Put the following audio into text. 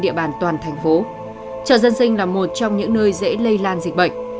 chợ dân sinh là một trong những nơi dễ lây lan dịch bệnh